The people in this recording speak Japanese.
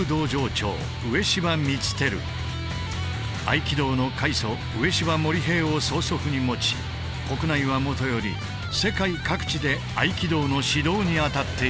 合気道の開祖植芝盛平を曽祖父に持ち国内はもとより世界各地で合気道の指導に当たっている。